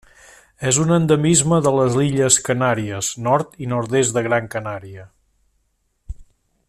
És un endemisme de les Illes Canàries: nord i nord-est de Gran Canària.